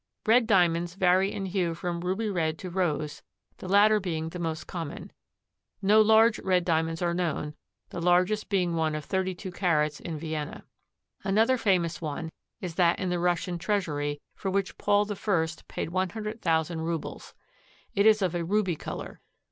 Red Diamonds vary in hue from ruby red to rose, the latter being the most common. No large red Diamonds are known, the largest being one of 32 carats in Vienna. Another famous one is that in the Russian treasury, for which Paul I paid one hundred thousand roubles. It is of a ruby color.